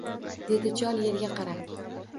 Dedi chol yerga qarab